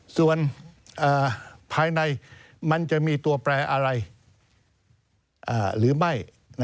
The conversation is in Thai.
ส่วนภายในมันจะมีตัวแปรอะไรหรือไม่